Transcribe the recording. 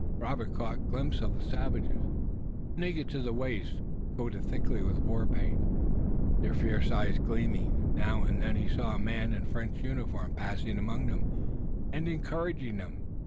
Robert caught glimpses of the savages, naked to the waist, coated thickly with war paint, their fierce eyes gleaming, and now and then he saw a man in French uniform passing among them and encouraging them.